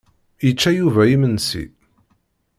Yečča Yuba imensi.